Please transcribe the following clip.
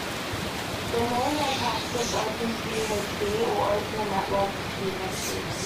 They name their practice OpenPhD or Open and Networked PhD.